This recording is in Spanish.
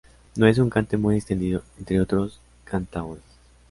No es un cante muy extendido entre otros cantaores.